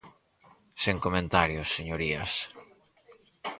Sen comentarios, señorías.